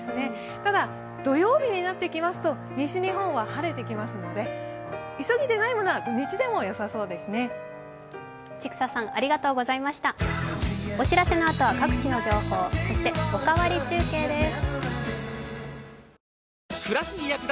ただ、土曜日になってきますと西日本は晴れてきますので急ぎでないものは土日でもよさそうですね。